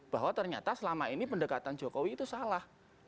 bahwa ternyata selama ini pendekatan jokowi itu salah